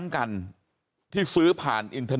บอกแล้วบอกแล้วบอกแล้ว